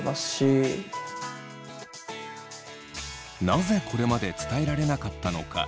なぜこれまで伝えられなかったのか。